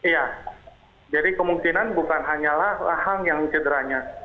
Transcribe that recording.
ya jadi kemungkinan bukan hanyalah lahang yang cederanya